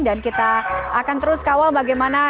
dan kita akan terus kawal bagaimana